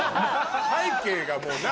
背景がもう何？